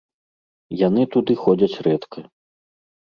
Яны туды ходзяць рэдка.